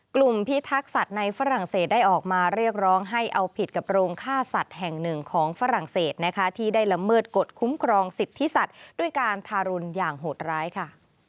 พิทักษัตริย์ในฝรั่งเศสได้ออกมาเรียกร้องให้เอาผิดกับโรงฆ่าสัตว์แห่งหนึ่งของฝรั่งเศสนะคะที่ได้ละเมิดกฎคุ้มครองสิทธิสัตว์ด้วยการทารุณอย่างโหดร้ายค่ะ